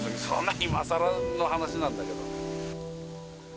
そんな今さらの話なんだけど。